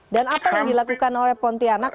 dan apa yang dilakukan oleh pontianak